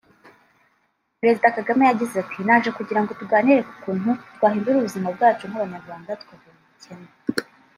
Perezida Kagame yagize ati “Naje kugirango tuganire ku kuntu twahindura ubuzima bwacu nk’abanyarwanda tukava mu bukene